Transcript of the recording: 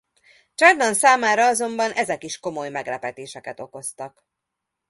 Cernan számára azonban ezek is komoly meglepetéseket okoztak.